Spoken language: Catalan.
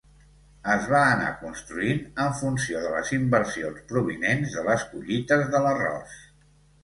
Es va anar construint en funció de les inversions provinents de les collites de l'arròs.